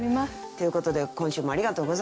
ということで今週もありがとうございました。